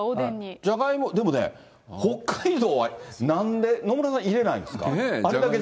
じゃがいも、でもね、北海道はなんで、野村さん、入れないんですか。